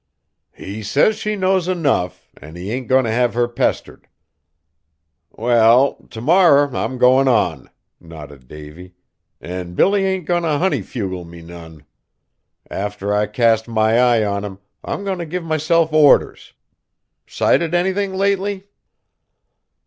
"He says she knows enough; an' he ain't goin' t' have her pestered." "Well, t' morrer I'm goin' on," nodded Davy, "an' Billy ain't goin' t' honey fugle me none. Arter I cast my eye on him, I'm goin' t' give myself orders. Sighted anythin' lately?"